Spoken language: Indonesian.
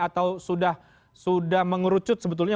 atau sudah mengerucut sebetulnya